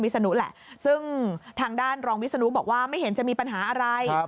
แหละซึ่งทางด้านรองวิศนุบอกว่าไม่เห็นจะมีปัญหาอะไร